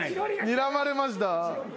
にらまれました。